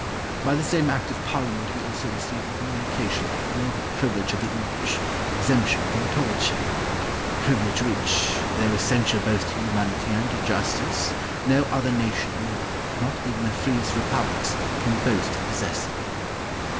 By the same Act of Parliament we also received a communication of that noble privilege of the English, exemption from torture a privilege which, though essential both to humanity and to justice, no other nation in Europe, not even the freest republics, can boast of possessing.